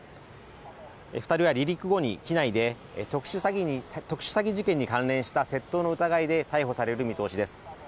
２人は離陸後に機内で特殊詐欺事件に関連した窃盗の容疑で逮捕される見通しです。